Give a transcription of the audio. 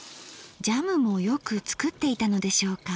ジャムもよく作っていたのでしょうか。